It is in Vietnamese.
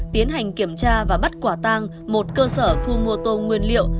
tiến hành kiểm tra và bắt quả tang một cơ sở thu mua tôm nguyên liệu